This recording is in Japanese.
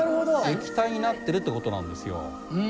液体になってるって事なんですよ。